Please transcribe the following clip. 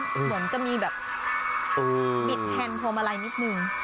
เหมือนจะมีแบบบิดแทนพวงมาลัยนิดนึง